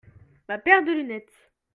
ma paire de lunettes.